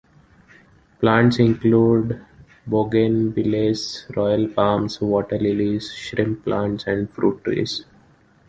Plants include bougainvilleas, royal palms, water lilies, shrimp plants, and fruit trees.